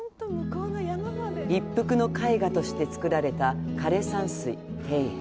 「一幅の絵画」として造られた枯山水庭園。